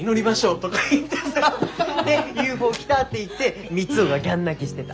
でＵＦＯ来たって言って三生がギャン泣きしてた。